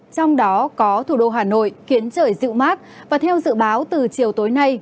trong đó có thủ đô hà nội khiến trời dịu mát và theo dự báo từ chiều tối nay